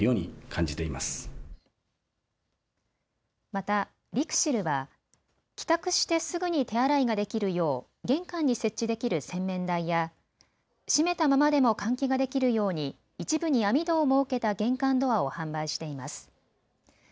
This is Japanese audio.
また、ＬＩＸＩＬは帰宅してすぐに手洗いができるよう玄関に設置できる洗面台や閉めたままでも換気ができるように一部に網戸を設けた玄関ドアを販売しています。